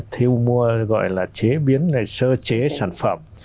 thiêu mua gọi là chế biến này sơ chế sản phẩm